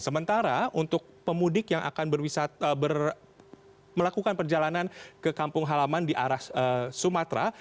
sementara untuk pemudik yang akan melakukan perjalanan ke kampung halaman di arah sumatera